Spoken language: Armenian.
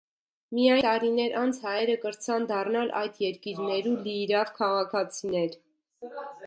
Միայն տարիներ անց հայերը կրցան դառնալ այդ երկիրներու լիիրաւ քաղաքացիներ։